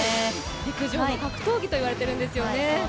陸上の格闘技と言われてるんですよね。